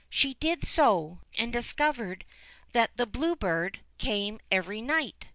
She did so, and discovered that the Blue Bird came every night.